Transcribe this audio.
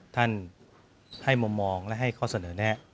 ท่านให้มองเนาะให้เขาเสนอแนะ